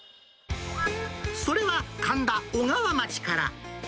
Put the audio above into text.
それは神田小川町から。